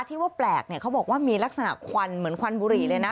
ที่ว่าแปลกเนี่ยเขาบอกว่ามีลักษณะควันเหมือนควันบุหรี่เลยนะ